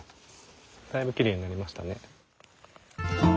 だいぶきれいになりましたね。